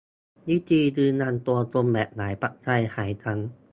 วิธียืนยันตัวตนแบบ "หลายปัจจัย" หลายชั้น